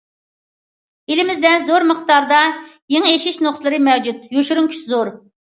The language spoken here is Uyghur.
ئېلىمىزدە زور مىقداردا يېڭى ئېشىش نۇقتىلىرى مەۋجۇت، يوشۇرۇن كۈچ زور.